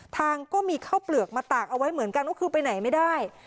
ทางก็มีข้าวเปลือกมาตากเอาไว้เหมือนกันก็คือไปไหนไม่ได้